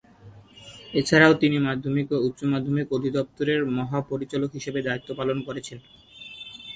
এছাড়াও তিনি মাধ্যমিক ও উচ্চ মাধ্যমিক অধিদপ্তরের মহা পরিচালক হিসাবে দায়িত্ব পালন করেছেন।